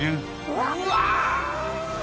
うわ！